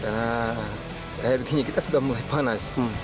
karena akhirnya kita sudah mulai panas